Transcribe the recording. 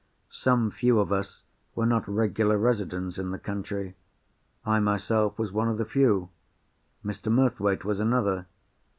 Some few of us were not regular residents in the country. I myself was one of the few. Mr. Murthwaite was another.